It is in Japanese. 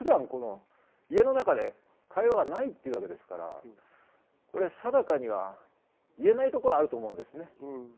家の中で会話がないというわけですから、定かには言えないところがあるんですね。